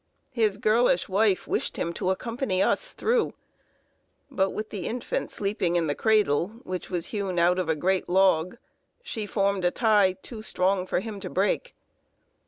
His girlish wife wished him to accompany us through; but, with the infant sleeping in the cradle, which was hewn out of a great log, she formed a tie too strong for him to break.